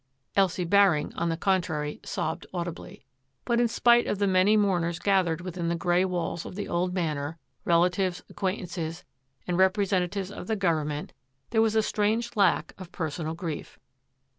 Elsie Baring, on the contrary, sobbed audibly. But in spite of the many mourners gathered within the grey walls of the old Manor, — relatives, acquaintances, and representatives of the govern ment, — there was a strange lack of personal grief.